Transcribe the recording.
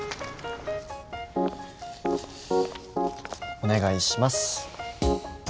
お願いします。